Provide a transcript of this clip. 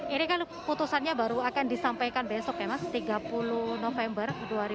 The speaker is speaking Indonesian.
ini kan putusannya baru akan disampaikan besok ya mas tiga puluh november dua ribu dua puluh